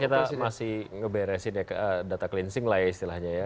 kita masih ngeberesin data cleansing lah ya istilahnya ya